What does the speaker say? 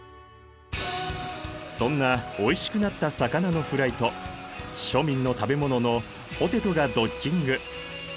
そんなおいしくなった魚のフライと庶民の食べ物のポテトがドッキング！